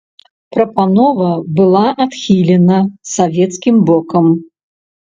Прапанова была адхілена савецкім бокам.